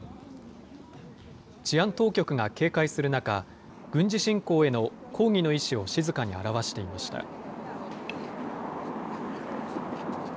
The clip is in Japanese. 治安当局が警戒する中、軍事侵攻への抗議の意思を静かに表していました。